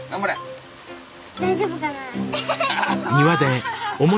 大丈夫かな？